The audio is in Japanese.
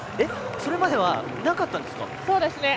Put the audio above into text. それまではなかったんですか？